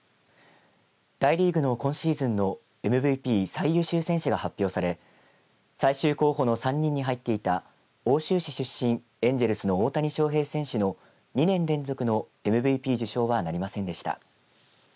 大リーグの今シーズンのＭＶＰ、最優秀選手が発表され最終候補の３人に入っていった奥州市出身エンジェルスの大谷翔平選手の２年連続のＭＶＰ受賞はなりませんでした。